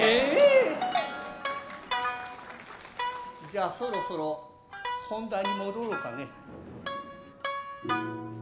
じゃあそろそろ本題に戻ろうかね。